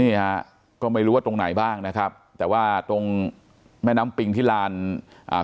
นี่ฮะก็ไม่รู้ว่าตรงไหนบ้างนะครับแต่ว่าตรงแม่น้ำปิงที่ลานอ่า